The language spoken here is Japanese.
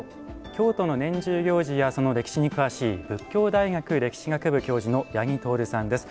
京都の年中行事やその歴史に詳しい佛教大学歴史学部教授の八木透さんです。